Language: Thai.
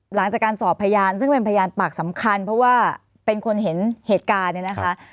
หลังจากการสอบพยานซึ่งเป็นพยานปากสำคัญเพราะว่าเป็นคนเห็นเหตุการณ์เนี่ยนะคะ